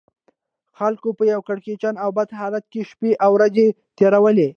خلکو په یو کړکېچن او بد حالت کې شپې او ورځې تېرولې.